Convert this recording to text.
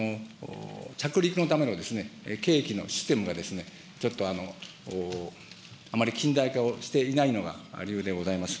着陸のための計器のシステムがちょっと、あまり近代化をしていないのが理由でございます。